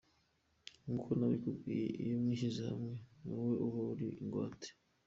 Nk'uko nabikubwiye, iyo mwishyize hamwe ni wowe uba uri ingwate.